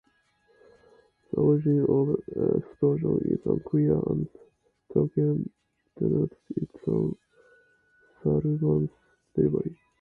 The origin of this explosion is unclear and Tolkien denotes it as "Saruman's devilry".